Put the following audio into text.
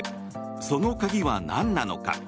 その鍵はなんなのか。